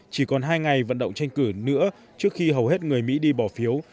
chỉ còn hai ngày vận động tranh cử nữa trước khi hầu hết người mỹ đi bỏ phiếu